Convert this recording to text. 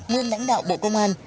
nguyên lãnh đạo bộ công an